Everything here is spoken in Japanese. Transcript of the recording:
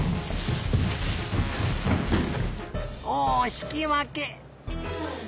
おおひきわけ！